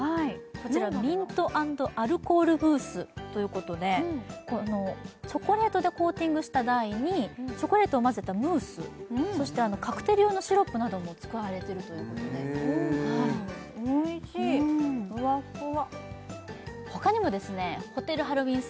こちらミント＆アルコールムースということでチョコレートでコーティングした台にチョコレートを混ぜたムースそしてカクテル用のシロップなども使われているということでおいしいふわふわほかにもホテルハロウィン